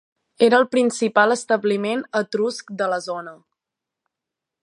Era el principal establiment etrusc de la zona.